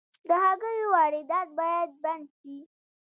د هګیو واردات باید بند شي